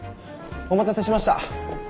お待たせしました。